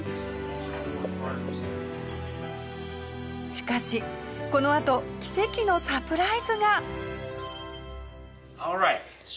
しかしこのあと奇跡のサプライズが。